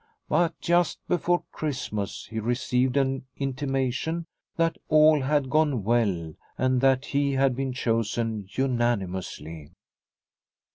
But just before Christmas he received an intimation that all had gone well and that he had been chosen unanimously.